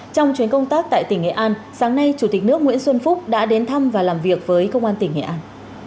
trong chuyến công tác tại tỉnh nghệ an sáng nay chủ tịch nước nguyễn xuân phúc đã đến thăm và làm việc với công an tỉnh nghệ an